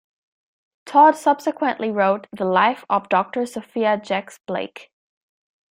Todd subsequently wrote "The Life of Doctor Sophia Jex-Blake".